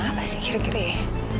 apa sih kira kira ya